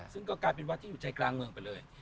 ซึ่งก็กลายเป็นวัดที่อยู่ใจกลางเมืองไปเลย